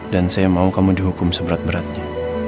dan saya mau kamu dihukum seberat beratnya